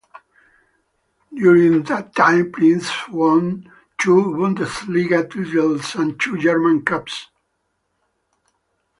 During that time Prinz won two Bundesliga titles and two German Cups.